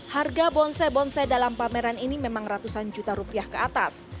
harga bonsai bonsai dalam pameran ini memang ratusan juta rupiah ke atas